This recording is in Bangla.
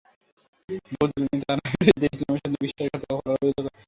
বহু দলীয় নেতা তার বিরুদ্ধে ইসলামের সাথে বিশ্বাসঘাতকতা করার অভিযোগ আনেন।